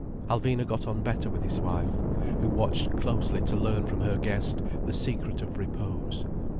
Alvina got on better with his wife, who watched closely to learn from her guest the secret of repose.